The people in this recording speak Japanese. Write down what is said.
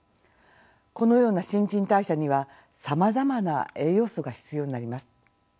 このような新陳代謝にはさまざまな栄養素が必要になります。